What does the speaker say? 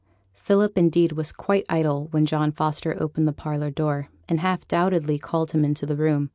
Philip, indeed, was quite idle when John Foster opened the parlour door, and, half doubtfully, called him into the room.